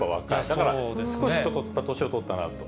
だから少しちょっと年を取ったなと。